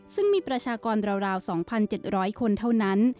ซึ่งมีประชากรราว๒๗๐๐คนเท่านั้น